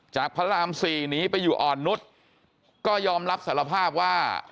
พระราม๔หนีไปอยู่อ่อนนุษย์ก็ยอมรับสารภาพว่า